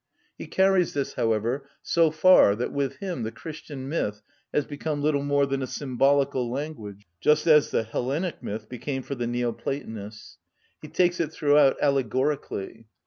He carries this, however, so far that with him the Christian myth has become little more than a symbolical language, just as the Hellenic myth became for the Neo‐ Platonists: he takes it throughout allegorically.